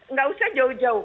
nggak usah jauh jauh